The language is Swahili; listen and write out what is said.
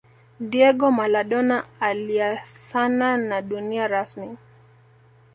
Diego Maladona aliacahana na dunia rasmi